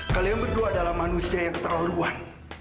kalian berdua adalah manusia yang terlaluan